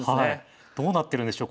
どうなってるんでしょう